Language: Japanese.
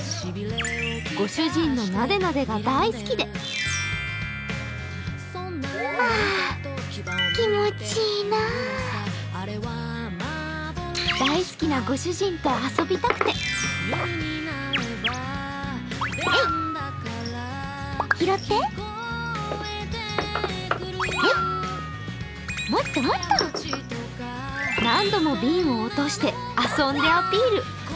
ご主人のなでなでが大好きで大好きなご主人と遊びたくて何度も瓶を落として遊んでアピール。